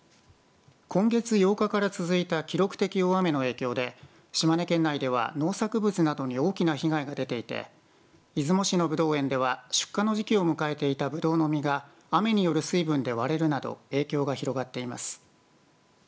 今月８日から続いた記録的大雨の影響で島根県内では農作物などに大きな被害が出ていて出雲市のぶどう園では出荷の時期を迎えていたぶどうの実が雨による水分で割れるなど影響が広がっています。